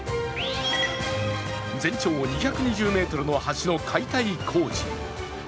全長２２０ｍの橋の解体工事。